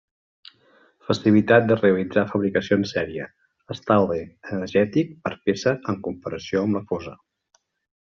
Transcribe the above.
Facilitat de realitzar fabricació en serie; Estalvi energètic per peça en comparació amb la fosa.